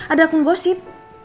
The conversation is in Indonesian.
ada akun gosip